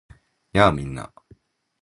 やあ！みんな